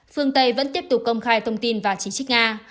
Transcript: phương tây vẫn tiếp tục công khai thông tin và chỉ trích nga